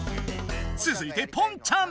つづいてポンちゃん。